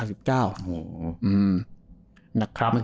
โหน่าครับ